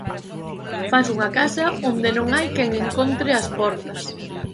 Fas unha casa onde non hai quen encontre as portas.